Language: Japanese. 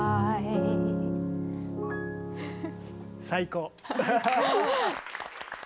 最高。